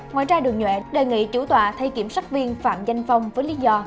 ngoài ra đường nhuệ đề nghị chủ tòa thay kiểm sát viên phạm danh phong với lý do